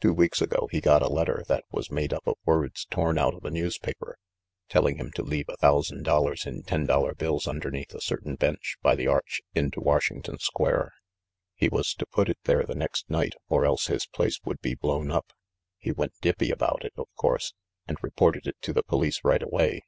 Two weeks ago he got a letter that was made up of words torn out of a newspaper, telling him to leave a thous and dollars in ten dollar bills underneath a certain bench by the arch into Washington Square. He was to put it there the next night, or else his place would be blown up. He went dippy about it, of course, and re ported it to the police right away.